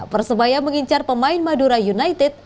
persebaya mengincar pemain madura united